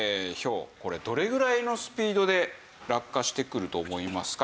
これどれぐらいのスピードで落下してくると思いますか？